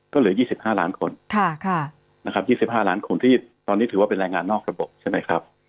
ก็เหลือ๒๕ล้านคนแวงงานนอกระบบใช่ไหมครับ